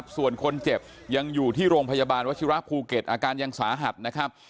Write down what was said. ส่วนคนเจ็บยังอยู่ที่โรงพยาบาลวชิระภูเก็ตอาการยังสาหัสนะครับ